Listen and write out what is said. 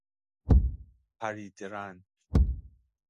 پریده رنگ